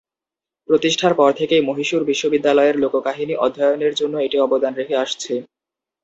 প্রতিষ্ঠার পর থেকেই মহীশূর বিশ্ববিদ্যালয়ের লোককাহিনী অধ্যয়নের জন্য এটি অবদান রেখে আসছে।